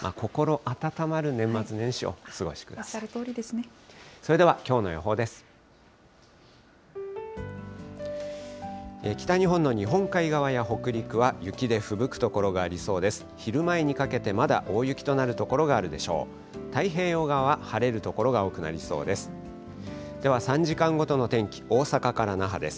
北日本の日本海側や北陸は、雪でふぶく所がありそうです。